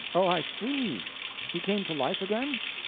Oh, I see! He came to life again?